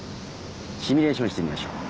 シミュレーションしてみましょう。